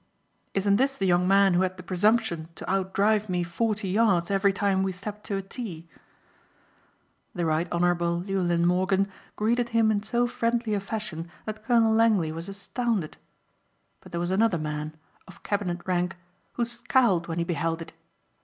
"Isn't this the young man who had the presumption to outdrive me forty yards every time we stepped to a tee?" The Right Honourable Llewellyn Morgan greeted him in so friendly a fashion that Colonel Langley was astounded. But there was another man, of cabinet rank, who scowled when he beheld it.